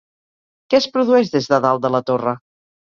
Què es produeix des de dalt de la torre?